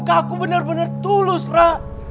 ke aku bener bener tulus ra